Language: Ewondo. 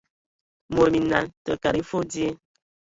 Mod minal, tə kad e foe dzie.